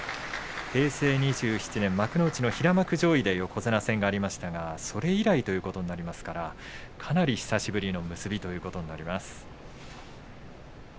平成２７年、幕内の平幕上位で横綱戦がありましたがそれ以来ということですからかなり久しぶりの結びということになります。